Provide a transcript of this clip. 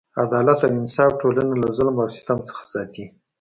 عدالت او انصاف ټولنه له ظلم او ستم څخه ساتي.